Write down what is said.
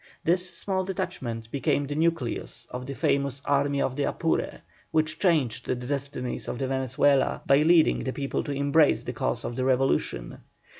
This small detachment became the nucleus of the famous Army of the Apure, which changed the destinies of Venezuela, by leading the people to embrace the cause of the revolution.